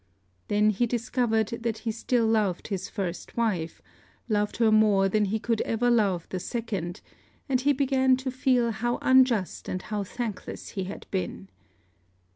Then he discovered that he still loved his first wife loved her more than he could ever love the second; and he began to feel how unjust and how thankless he had been.